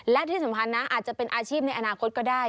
และที่สำคัญนะอาจจะเป็นอาชีพในอนาคตก็ได้